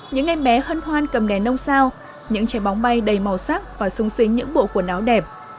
những em bé hân hoan cầm đèn ông sao những trái bóng bay đầy màu sắc và súng xính những bộ quần áo đẹp